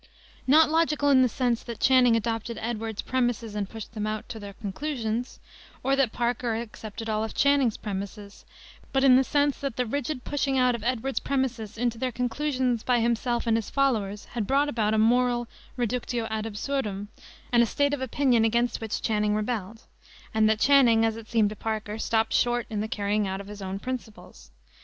Not logical in the sense that Channing accepted Edwards' premises and pushed them out to their conclusions, or that Parker accepted all of Channing's premises, but in the sense that the rigid pushing out of Edwards' premises into their conclusions by himself and his followers had brought about a moral reductio ad absurdum and a state of opinion against which Channing rebelled; and that Channing, as it seemed to Parker, stopped short in the carrying out of his own principles.